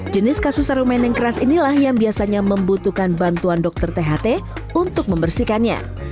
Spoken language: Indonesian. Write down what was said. jenis kasus serumen yang keras inilah yang biasanya membutuhkan bantuan dokter tht untuk membersihkannya